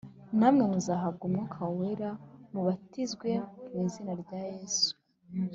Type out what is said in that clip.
Namwe muzahabwa umwuka wera mubatizwe mu izina rya Yesu